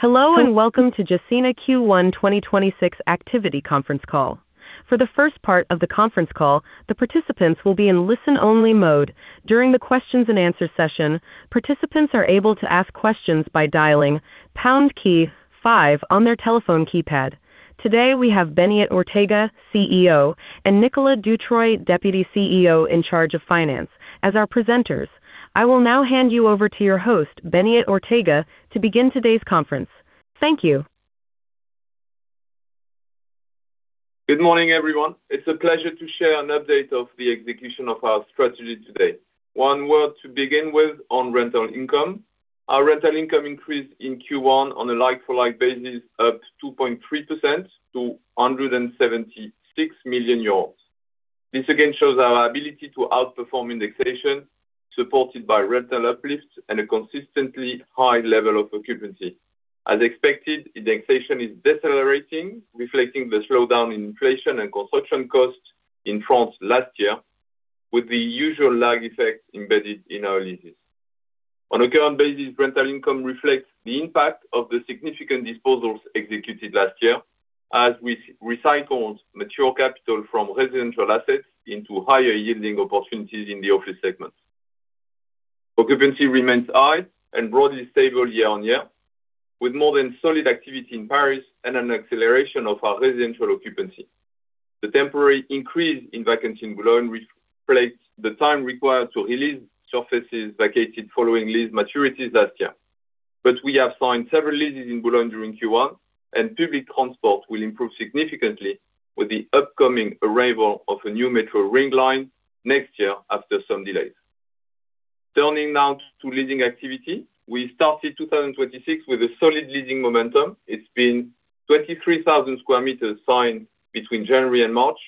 Hello, and welcome to Gecina Q1 2026 Activity Conference Call. For the first part of the conference call, the participants will be in listen-only mode. During the questions-and-answers session, participants are able to ask questions by dialing pound key five on their telephone keypad. Today, we have Beñat Ortega, CEO, and Nicolas Dutreuil, Deputy CEO in Charge of Finance, as our presenters. I will now hand you over to your host, Beñat Ortega, to begin today's conference. Thank you. Good morning, everyone. It's a pleasure to share an update of the execution of our strategy today. One word to begin with on rental income. Our rental income increased in Q1 on a like-for-like basis of 2.3% to 176 million euros. This again shows our ability to outperform indexation, supported by rental uplifts and a consistently high level of occupancy. As expected, indexation is decelerating, reflecting the slowdown in inflation and construction costs in France last year, with the usual lag effects embedded in our leases. On a current basis, rental income reflects the impact of the significant disposals executed last year, as we recycled mature capital from residential assets into higher-yielding opportunities in the office segment. Occupancy remains high and broadly stable year-on-year, with more than solid activity in Paris and an acceleration of our residential occupancy. The temporary increase in vacancy in Boulogne reflects the time required to re-lease surfaces vacated following lease maturities last year. We have signed several leases in Boulogne during Q1, and public transport will improve significantly with the upcoming arrival of a new metro ring line next year after some delays. Turning now to leasing activity. We started 2026 with a solid leasing momentum. It's been 23,000 sq m signed between January and March,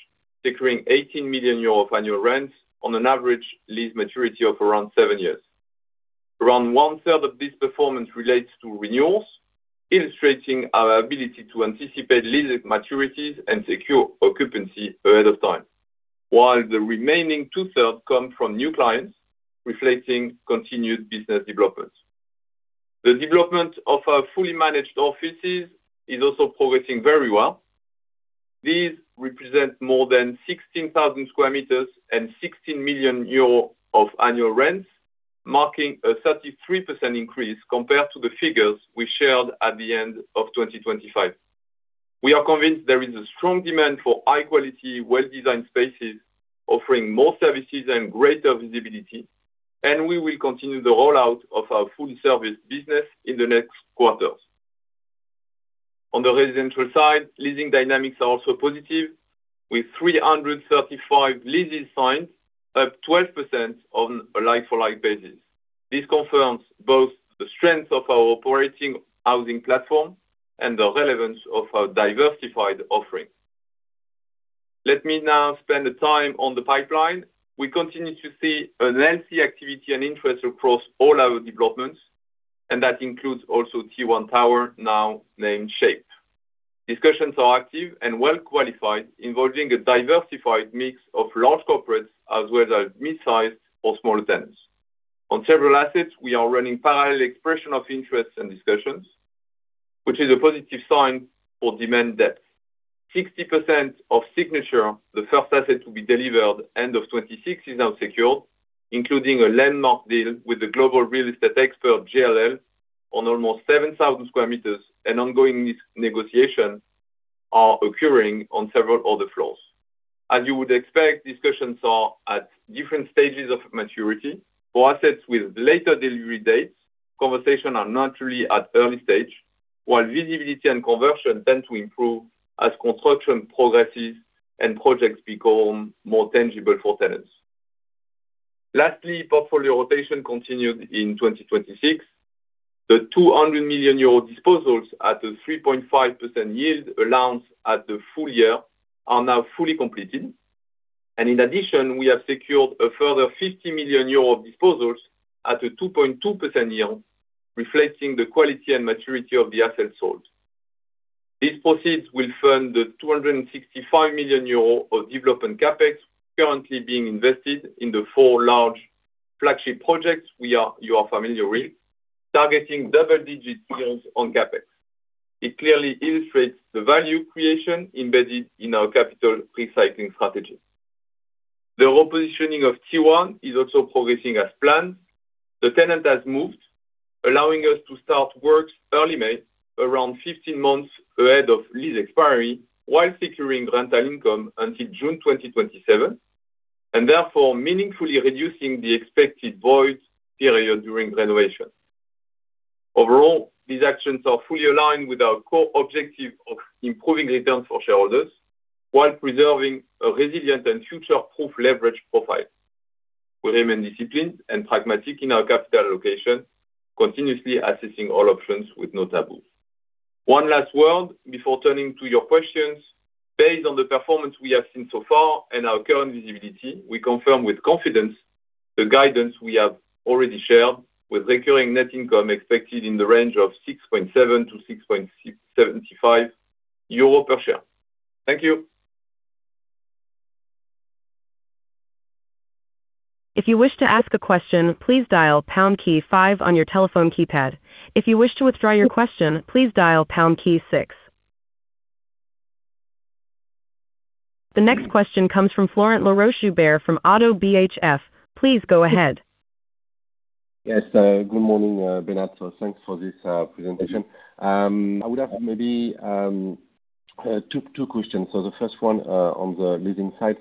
securing 80 million euros of annual rent on an average lease maturity of around seven years. Around one-third of this performance relates to renewals, illustrating our ability to anticipate lease maturities and secure occupancy ahead of time, while the remaining two-thirds come from new clients, reflecting continued business developments. The development of our fully managed offices is also progressing very well. These represent more than 16,000 sq m and 16 million euros of annual rents, marking a 33% increase compared to the figures we shared at the end of 2025. We are convinced there is a strong demand for high-quality, well-designed spaces offering more services and greater visibility, and we will continue the rollout of our full service business in the next quarters. On the residential side, leasing dynamics are also positive, with 335 leases signed, up 12% on a like-for-like basis. This confirms both the strength of our operating housing platform and the relevance of our diversified offering. Let me now spend the time on the pipeline. We continue to see a lively activity and interest across all our developments, and that includes also T1 Tower, now named Shape. Discussions are active and well-qualified, involving a diversified mix of large corporates as well as midsize or smaller tenants. On several assets, we are running parallel expression of interests and discussions, which is a positive sign for demand depth. 60% of Signature, the first asset to be delivered end of 2026, is now secured, including a landmark deal with the global real estate expert JLL on almost 7,000 sq m and ongoing negotiations are occurring on several other floors. As you would expect, discussions are at different stages of maturity. For assets with later delivery dates, conversations are naturally at early stage, while visibility and conversion tend to improve as construction progresses and projects become more tangible for tenants. Lastly, portfolio rotation continued in 2026. The 200 million euro disposals at a 3.5% yield announced at the full year are now fully completed. In addition, we have secured a further 50 million euro of disposals at a 2.2% yield, reflecting the quality and maturity of the assets sold. These proceeds will fund the 265 million euro of development CapEx currently being invested in the four large flagship projects you are familiar with, targeting double-digit yields on CapEx. It clearly illustrates the value creation embedded in our capital recycling strategy. The repositioning of T1 is also progressing as planned. The tenant has moved, allowing us to start works early May, around 15 months ahead of lease expiry, while securing rental income until June 2027, and therefore meaningfully reducing the expected void period during renovation. Overall, these actions are fully aligned with our core objective of improving returns for shareholders while preserving a resilient and future-proof leverage profile. We remain disciplined and pragmatic in our capital allocation, continuously assessing all options with no taboo. One last word before turning to your questions. Based on the performance we have seen so far and our current visibility, we confirm with confidence the guidance we have already shared with recurring net income expected in the range of 6.7-6.75 euro per share. Thank you. If you wish to ask a question, please dial pound key five on your telephone keypad. If you wish to withdraw your question, please dial pound key six. The next question comes from Florent Laroche-Joubert from ODDO BHF. Please go ahead. Yes. Good morning, Beñat. Thanks for this presentation. I would have maybe two questions. The first one on the leasing side.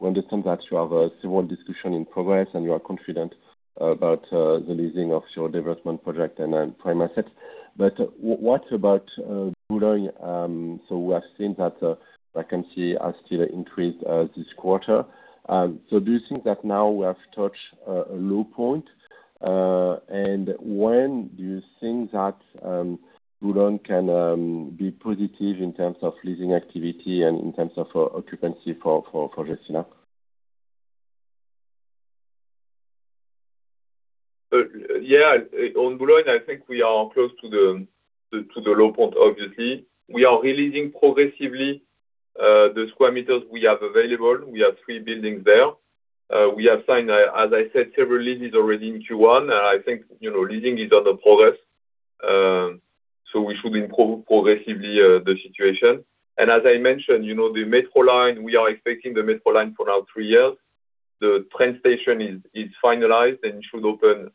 We understand that you have several discussions in progress, and you are confident about the leasing of your development project and then prime assets. What about Boulogne? We have seen that vacancy has still increased this quarter. Do you think that now we have touched a low point? When do you think that Boulogne can be positive in terms of leasing activity and in terms of occupancy for Gecina? Yeah. On Boulogne, I think we are close to the low point, obviously. We are releasing progressively the square meter we have available. We have three buildings there. We have signed, as I said, several leases already in Q1. I think leasing is in progress. We should improve progressively the situation. As I mentioned, we are expecting the metro line for three years now. The train station is finalized and should open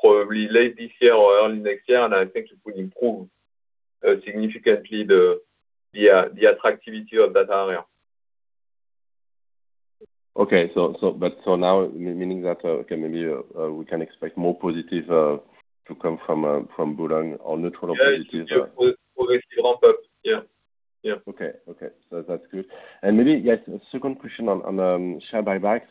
probably late this year or early next year, and I think it will improve significantly the attractivity of that area. Maybe we can expect more positive to come from Boulogne or neutral opportunities? Yeah, it will progressively ramp up. Yeah. Okay. That's good. Maybe, yes, second question on share buyback.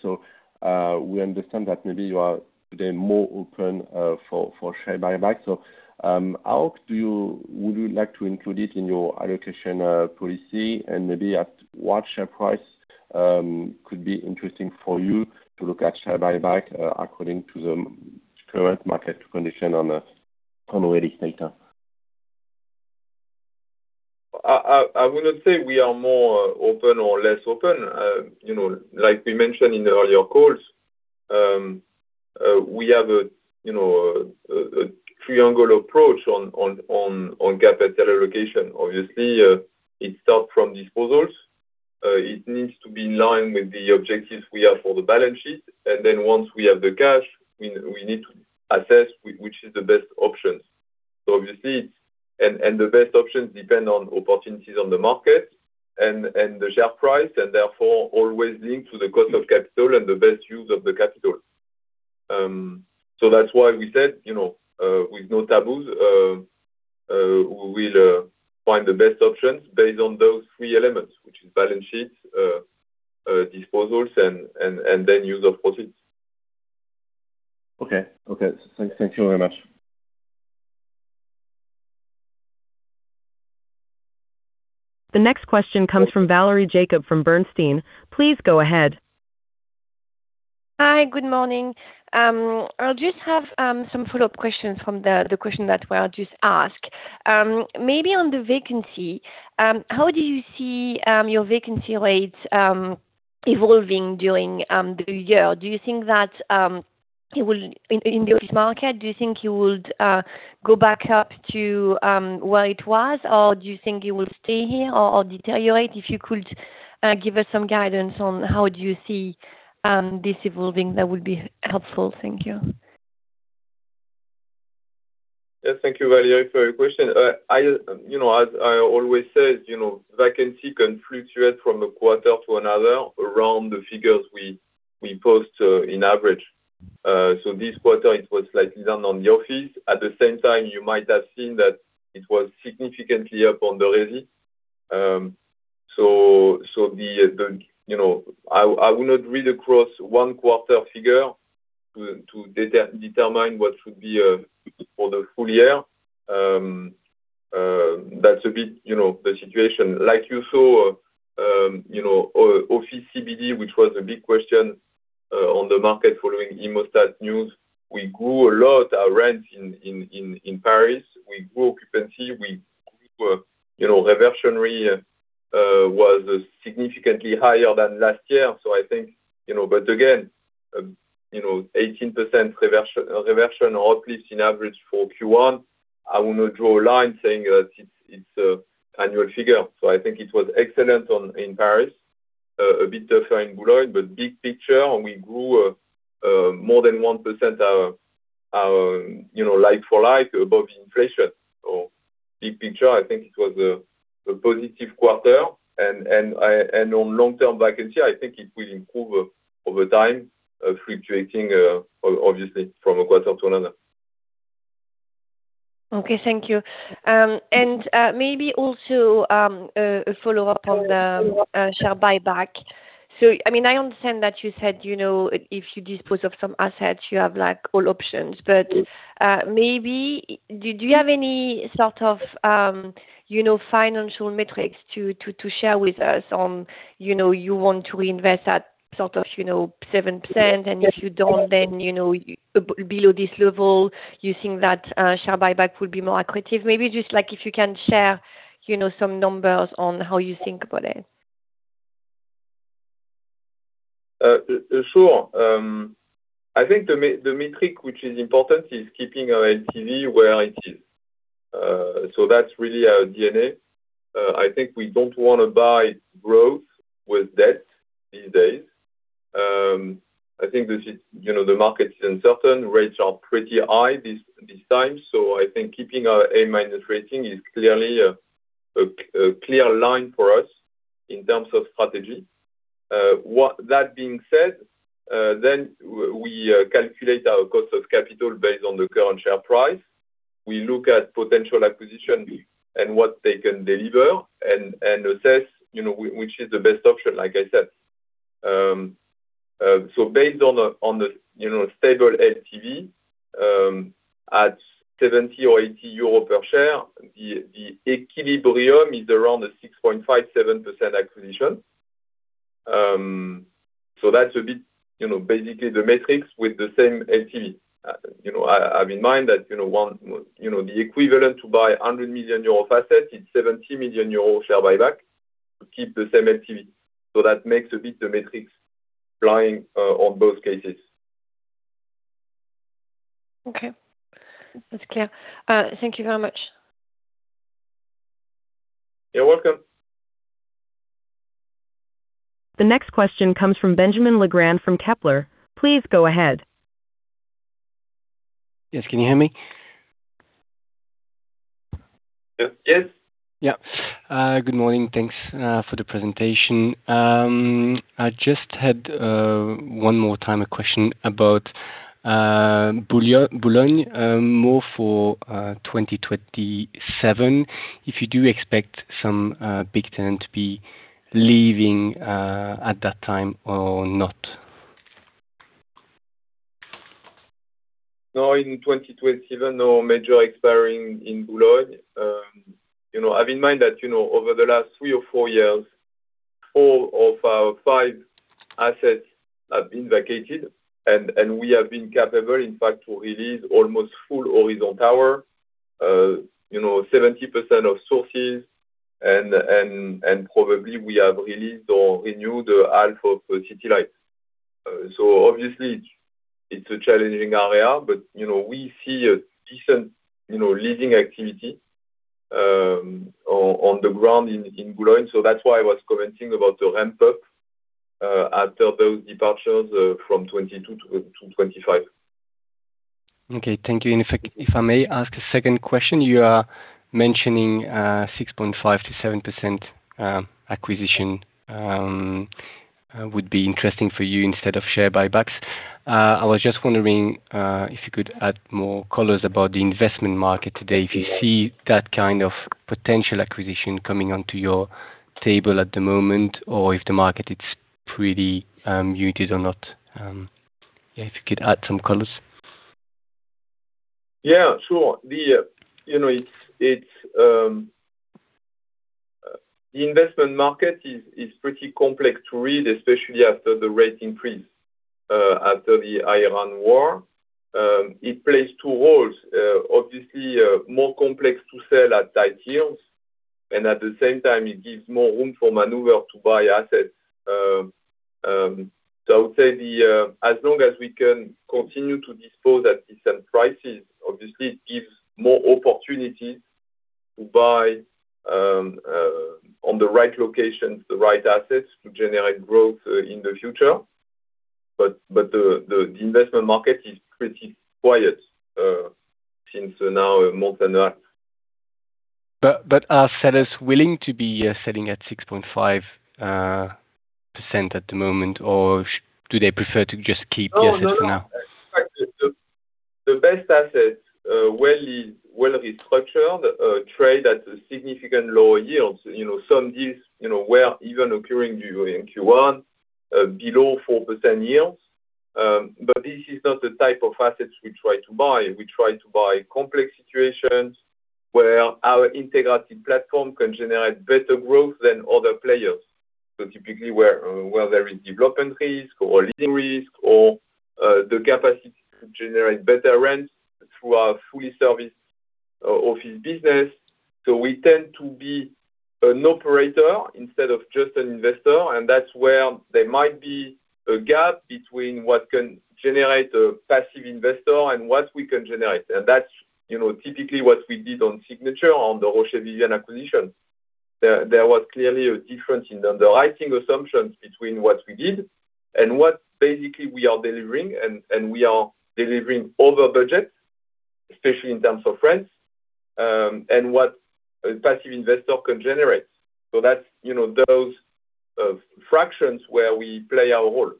We understand that maybe you are today more open for share buyback. How would you like to include it in your allocation policy? Maybe at what share price could be interesting for you to look at share buyback, according to the current market condition on the recent data? I would not say we are more open or less open. Like we mentioned in the earlier calls, we have a triangle approach on capital allocation. Obviously, it starts from disposals. It needs to be in line with the objectives we have for the balance sheet. Once we have the cash, we need to assess which is the best options. Obviously, and the best options depend on opportunities on the market and the share price, and therefore always linked to the cost of capital and the best use of the capital. That's why we said, with no taboos, we will find the best options based on those three elements, which is balance sheets, disposals, and then use of proceeds. Okay. Thank you very much. The next question comes from Valerie Jacob from Bernstein. Please go ahead. Hi. Good morning. I'll just have some follow-up questions from the question that was just asked. Maybe on the vacancy, how do you see your vacancy rates evolving during the year? Do you think that in the office market, do you think you would go back up to where it was, or do you think it will stay here or deteriorate? If you could give us some guidance on how do you see this evolving, that would be helpful. Thank you. Yes. Thank you, Valerie, for your question. As I always said, vacancy can fluctuate from a quarter to another around the figures we post in average. This quarter, it was slightly down on the office. At the same time, you might have seen that it was significantly up on the resi. I would not read across one quarter figure to determine what should be for the full year. That's a bit the situation. Like you saw, office CBD, which was a big question on the market following ImmoStat news. We grew a lot our rent in Paris. We grew occupancy. Reversionary was significantly higher than last year. Again, 18% reversion or uplift in average for Q1, I will not draw a line saying that it's annual figure. I think it was excellent in Paris, a bit tougher in Boulogne, but big picture, and we grew more than 1% our like-for-like above inflation. Big picture, I think it was a positive quarter, and on long-term vacancy, I think it will improve over time, fluctuating, obviously, from a quarter to another. Okay. Thank you. Maybe also, a follow-up on the share buyback. I understand that you said if you dispose of some assets, you have all options. Maybe, do you have any sort of financial metrics to share with us on how you want to invest at sort of 7%, and if you don't, then below this level, you think that share buyback will be more accretive? Maybe just if you can share. You know, some numbers on how you think about it. Sure. I think the metric which is important is keeping our LTV where it is. That's really our DNA. I think we don't want to buy growth with debt these days. I think the market is uncertain. Rates are pretty high this time. I think keeping our A- rating is clearly a clear line for us in terms of strategy. That being said, we calculate our cost of capital based on the current share price. We look at potential acquisition and what they can deliver and assess, which is the best option, like I said. Based on the stable LTV, at 70 or 80 per share, the equilibrium is around a 6.57% acquisition. That's a bit, basically the metrics with the same LTV. Have in mind that the equivalent to buy 100 million euro of assets, it's 70 million euro share buyback to keep the same LTV. That makes a bit the metrics flying on both cases. Okay. That's clear. Thank you very much. You're welcome. The next question comes from Benjamin Legrand from Kepler. Please go ahead. Yes. Can you hear me? Yes. Yeah. Good morning. Thanks for the presentation. I just had, one more time, a question about Boulogne, more for 2027. If you do expect some big tenant to be leaving at that time or not? No, in 2027, no major expiring in Boulogne. Have in mind that, over the last three or four years, four of our five assets have been vacated, and we have been capable, in fact, to release almost full Horizon Tower, 70% of Sources, and probably we have released or renewed half of City Life. Obviously it's a challenging area, but we see a decent leasing activity on the ground in Boulogne. That's why I was commenting about the ramp up after those departures from 2022-2025. Okay. Thank you. If I may ask a second question, you are mentioning 6.5%-7% acquisition would be interesting for you instead of share buybacks. I was just wondering if you could add more colors about the investment market today, if you see that kind of potential acquisition coming onto your table at the moment, or if the market is pretty muted or not. Yeah, if you could add some colors. Yeah, sure. The investment market is pretty complex to read, especially after the rate increase, after the Iran war. It plays two roles. Obviously, more complex to sell at tight yields, and at the same time, it gives more room for maneuver to buy assets. I would say, as long as we can continue to dispose at decent prices, obviously it gives more opportunities to buy on the right locations, the right assets, to generate growth in the future. The investment market is pretty quiet as of now, more than that. Are sellers willing to be selling at 6.5% at the moment, or do they prefer to just keep the assets for now? No. In fact, the best assets, well-restructured, trade at significant lower yields. Some deals were even occurring during Q1 below 4% yields. This is not the type of assets we try to buy. We try to buy complex situations where our integrated platform can generate better growth than other players. Typically where there is development risk or leasing risk or the capacity to generate better rents through our fully serviced office business. We tend to be an operator instead of just an investor, and that's where there might be a gap between what can generate a passive investor and what we can generate. That's typically what we did on Signature, on the Rocher-Vienne acquisition. There was clearly a difference in the underwriting assumptions between what we did and what basically we are delivering, and we are delivering over budget, especially in terms of rents, and what a passive investor can generate. That's those frictions where we play our role.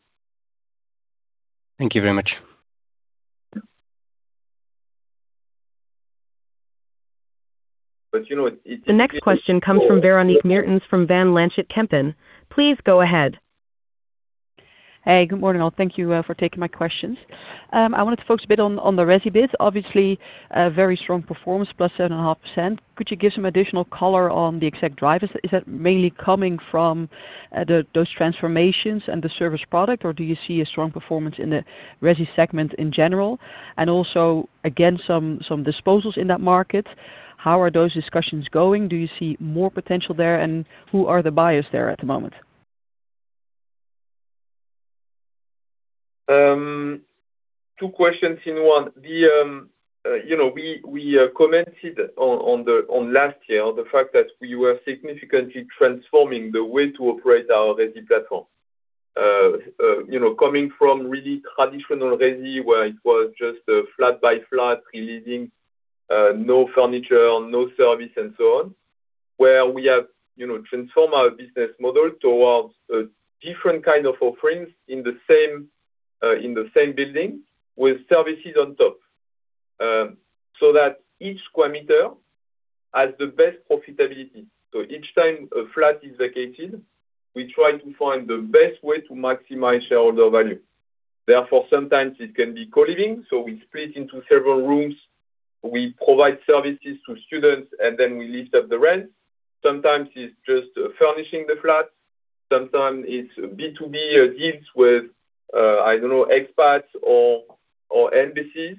Thank you very much. You know- The next question comes from Véronique Meertens from Van Lanschot Kempen. Please go ahead. Hey, good morning all. Thank you for taking my questions. I wanted to focus a bit on the resi bit. Obviously, a very strong performance, +7.5%. Could you give some additional color on the exact drivers? Is that mainly coming from those transformations and the service product, or do you see a strong performance in the resi segment in general? Also, again, some disposals in that market. How are those discussions going? Do you see more potential there, and who are the buyers there at the moment? Two questions in one. We commented on last year, the fact that we were significantly transforming the way to operate our resi platform. Coming from really traditional resi, where it was just a flat by flat leasing, no furniture, no service, and so on, where we have transformed our business model towards different kind of offerings in the same building with services on top. That each square meter has the best profitability. Each time a flat is vacated, we try to find the best way to maximize shareholder value. Therefore, sometimes it can be co-living, so we split into several rooms. We provide services to students, and then we lease up the rents. Sometimes it's just furnishing the flats. Sometimes it's B2B deals with, I don't know, expats or embassies.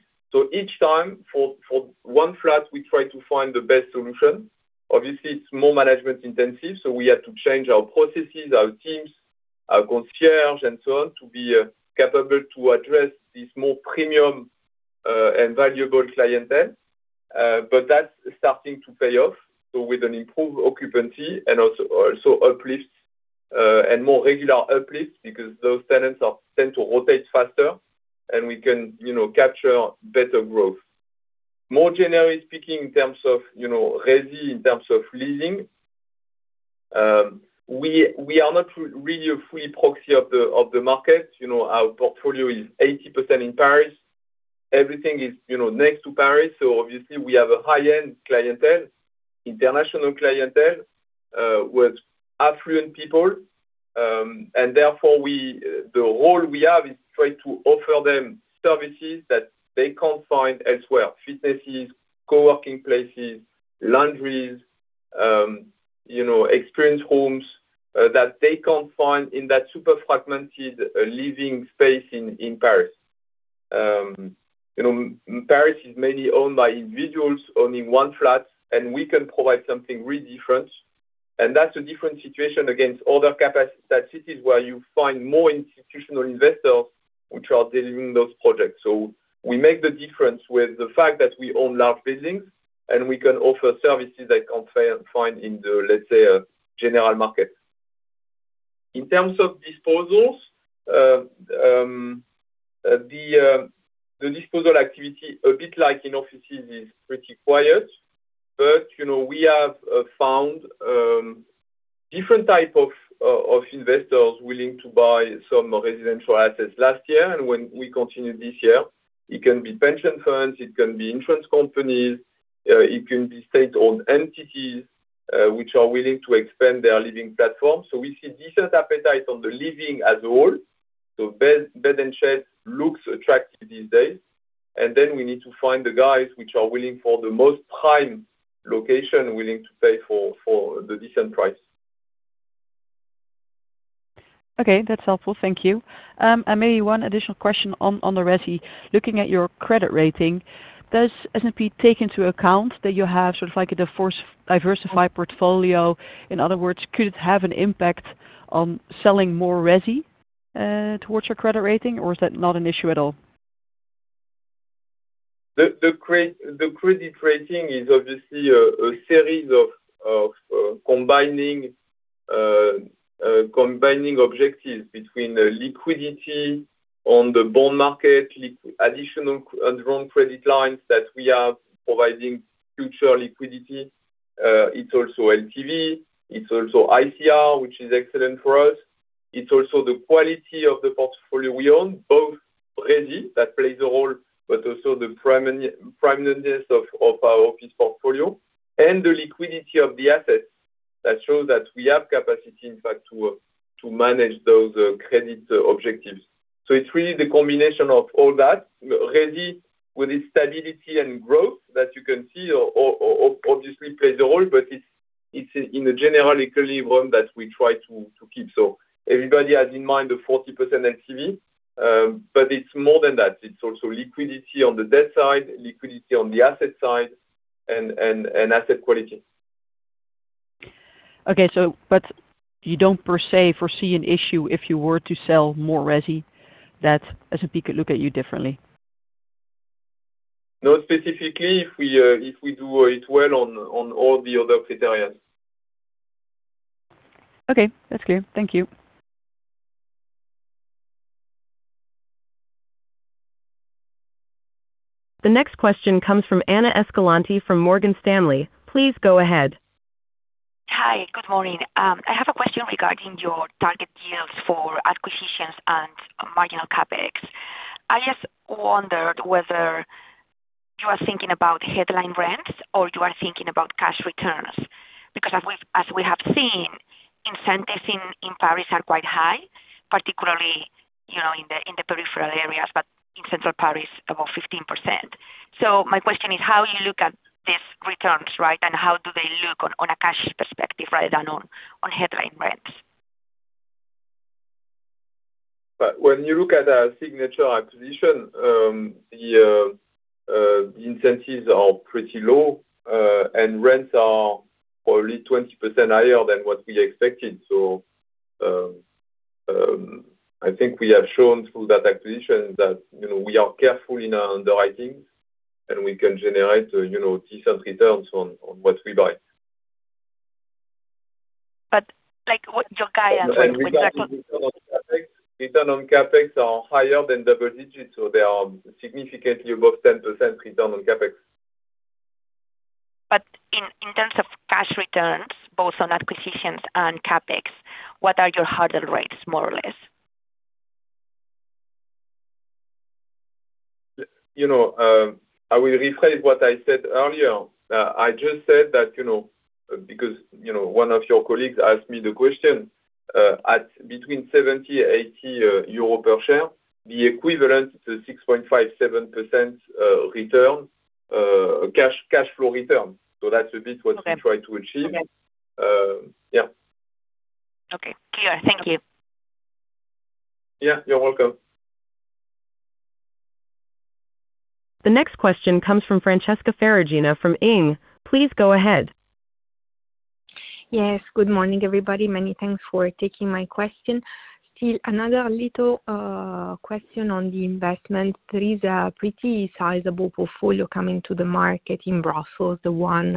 Each time, for one flat, we try to find the best solution. Obviously, it's more management intensive, so we have to change our processes, our teams, our concierge, and so on, to be capable to address this more premium and valuable clientele. That's starting to pay off. With an improved occupancy and also more regular uplifts, because those tenants tend to rotate faster, and we can capture better growth. More generally speaking, in terms of resi, in terms of leasing, we are not really a free proxy of the market. Our portfolio is 80% in Paris. Everything is next to Paris, so obviously we have a high-end clientele, international clientele, with affluent people. Therefore, the role we have is to try to offer them services that they can't find elsewhere. Fitnesses, co-working places, laundries, experience homes that they can't find in that super fragmented living space in Paris. Paris is mainly owned by individuals owning one flat, and we can provide something really different. That's a different situation against other cities where you find more institutional investors which are delivering those projects. We make the difference with the fact that we own large buildings, and we can offer services they can't find in the, let's say, general market. In terms of disposals, the disposal activity, a bit like in offices, is pretty quiet. We have found different type of investors willing to buy some residential assets last year. When we continue this year, it can be pension funds, it can be insurance companies, it can be state-owned entities, which are willing to expand their living platform. We see decent appetite on the living as a whole. Beds and sheds looks attractive these days. We need to find the guys which are willing for the most prime location, willing to pay for the decent price. Okay, that's helpful. Thank you. Maybe one additional question on the resi. Looking at your credit rating, does S&P take into account that you have sort of like a diversified portfolio? In other words, could it have an impact on selling more resi towards your credit rating, or is that not an issue at all? The credit rating is obviously a series of combined objectives between the liquidity on the bond market, additional undrawn credit lines that we are providing future liquidity. It's also LTV, it's also ICR, which is excellent for us. It's also the quality of the portfolio we own, both resi, that plays a role, but also the prominence of our office portfolio and the liquidity of the assets. That shows that we have capacity, in fact, to manage those credit objectives. It's really the combination of all that resi with its stability and growth that you can see obviously plays a role, but it's in a general equilibrium that we try to keep. Everybody has in mind the 40% LTV, but it's more than that. It's also liquidity on the debt side, liquidity on the asset side, and asset quality. Okay. You don't per se foresee an issue if you were to sell more resi, that S&P could look at you differently? Not specifically if we do it well on all the other criteria. Okay, that's clear. Thank you. The next question comes from Ana Escalante from Morgan Stanley. Please go ahead. Hi. Good morning. I have a question regarding your target yields for acquisitions and marginal CapEx. I just wondered whether you are thinking about headline rents or you are thinking about cash returns. Because as we have seen, incentives in Paris are quite high, particularly in the peripheral areas, but in central Paris, above 15%. So my question is how you look at these returns, right? How do they look on a cash perspective, rather than on headline rents? When you look at our Signature acquisition, the incentives are pretty low, and rents are probably 20% higher than what we expected. I think we have shown through that acquisition that we are careful in our underwriting, and we can generate decent returns on what we buy. What your Gaia- Return on CapEx are higher than double digits, so they are significantly above 10% return on CapEx. In terms of cash returns, both on acquisitions and CapEx, what are your hurdle rates, more or less? I will rephrase what I said earlier. I just said that, because one of your colleagues asked me the question, at between 70-80 euro per share, the equivalent to 6.57% return, cash flow return. That's a bit what we try to achieve. Okay. Yeah. Okay. Clear. Thank you. Yeah, you're welcome. The next question comes from Francesca Ferragina from ING. Please go ahead. Yes. Good morning, everybody. Many thanks for taking my question. Still another little question on the investment. There is a pretty sizable portfolio coming to the market in Brussels, the one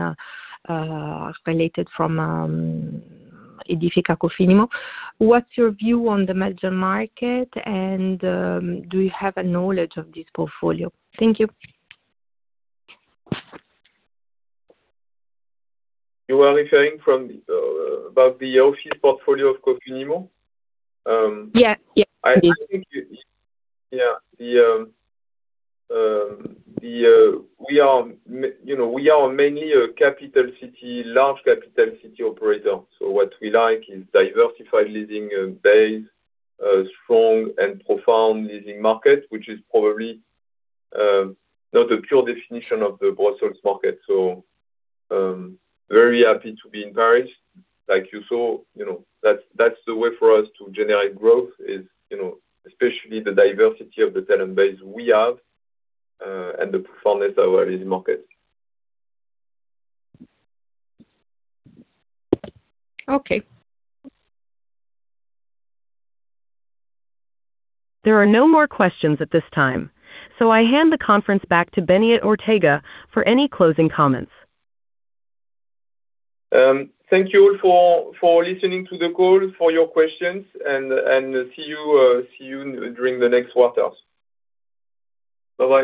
spun out from a division of Cofinimmo. What's your view on the merger market, and do you have a knowledge of this portfolio? Thank you. You are referring from about the office portfolio of Cofinimmo? Yeah. I think, yeah, we are mainly a large capital city operator. What we like is diversified leasing base, strong and profound leasing market, which is probably not a pure definition of the Brussels market. Very happy to be in Paris, like you saw. That's the way for us to generate growth is, especially the diversity of the tenant base we have, and the performance of our leasing markets. Okay. There are no more questions at this time. I hand the conference back to Beñat Ortega for any closing comments. Thank you all for listening to the call, for your questions, and see you during the next quarters. Bye-bye.